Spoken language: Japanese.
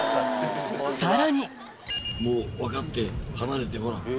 さらにもう分かって離れてほら。